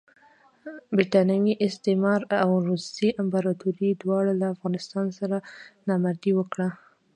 برټانوي استعمار او روسي امپراطوري دواړو له افغانستان سره نامردي وکړه.